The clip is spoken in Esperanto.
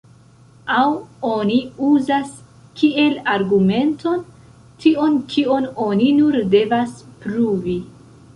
Aŭ oni uzas kiel argumenton tion, kion oni nur devas pruvi.